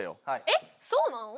えっそうなの？